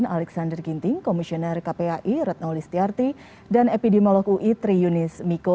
alexander ginting komisioner kpai retno listiarti dan epidemiolog ui tri yunis miko